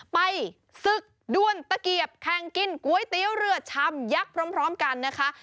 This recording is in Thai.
ไปศึกด้วนตะเกียบแข่งกินก๋วยเตี๋ยวเรือชามยักษ์พร้อมกันนะคะ